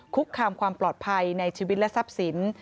คุกคามความปลอดภัยในชีวิตและทรัพย์สิน